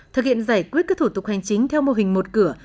thực hiện giải quyết các thủ tục hành chính theo mô hình một cửa